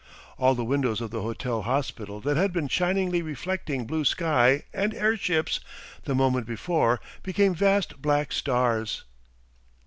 All the windows of the hotel hospital that had been shiningly reflecting blue sky and airships the moment before became vast black stars.